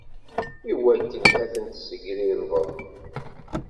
Iwakken ad ten-tessegrirbeḍ.